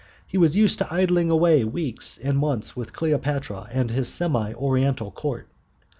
He was used to idling away weeks and months with Cleopatra and his semi Oriental Court.